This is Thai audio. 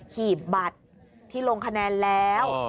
หีบบัตรที่ลงคะแนนแล้ว